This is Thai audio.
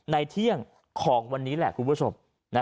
เที่ยงของวันนี้แหละคุณผู้ชม